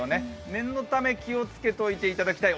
念のため気をつけておいていただきたい。